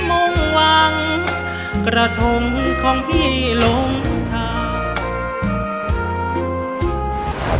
ให้ร้องได้